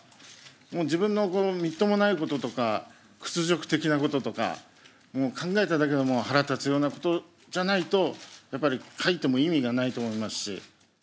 もう自分のこのみっともないこととか屈辱的なこととかもう考えただけで腹立つようなことじゃないとやっぱり書いても意味がないと思いますし。